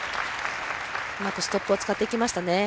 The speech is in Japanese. うまくストップを使っていきましたね。